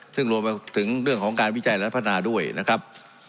ซึ่งรวมไปถึงเรื่องของการวิจัยและพัฒนาด้วยนะครับ